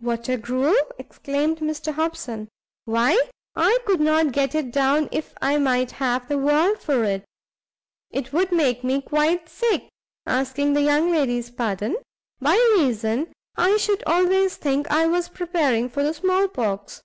"Water gruel!" exclaimed Mr Hobson, "why I could not get it down if I might have the world for it! it would make me quite sick, asking the young lady's pardon, by reason I should always think I was preparing for the small pox.